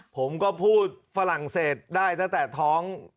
ผมก็พูดฝรั่งเศสได้ตั้งแต่ท้อง